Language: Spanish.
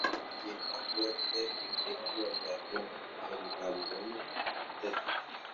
Tiene una fuerte y vieja rivalidad con el Gaborone United.